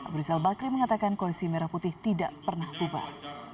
brisel bakri mengatakan koalisi merah putih tidak pernah berubah